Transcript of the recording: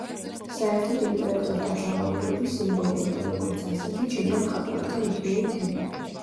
საერთოდ იმპერატორთა ძალაუფლების სიმბოლოა, და როგორც ასეთი, ჩინელ მხატვართა მუდმივი თემა.